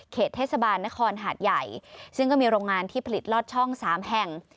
เทศบาลนครหาดใหญ่ซึ่งก็มีโรงงานที่ผลิตลอดช่อง๓แห่ง